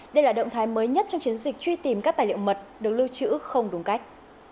đây là động thái mới nhất trong chiến dịch truy tìm các tài liệu mật được lưu trữ không đúng cách